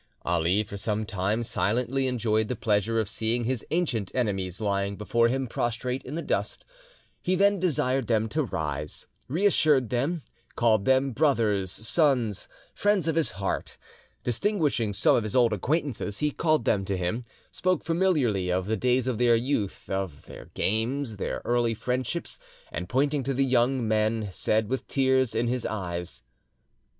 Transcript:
Ali for some time silently enjoyed the pleasure of seeing his ancient enemies lying before him prostrate in the dust. He then desired them to rise, reassured them, called them brothers, sons, friends of his heart. Distinguishing some of his old acquaintances, he called them to him, spoke familiarly of the days of their youth, of their games, their early friendships, and pointing to the young men, said, with tears in his eyes.